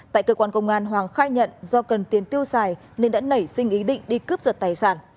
tại cơ quan công an hoàng khai nhận do cần tiền tiêu xài nên đã nảy sinh ý định đi cướp giật tài sản